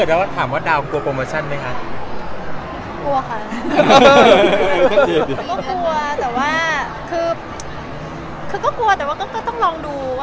แต่ว่าเราต้องเอาปัจจุบันก่อน